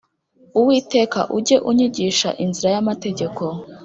Uwiteka ujye unyigisha inzira y amategeko